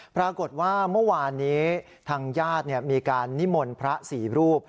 ปรากฏว่าเมื่อวานนี้ทางญาติมีการนิมนต์พระ๔รูป